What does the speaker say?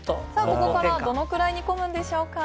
ここからどのくらい煮込むんでしょうか？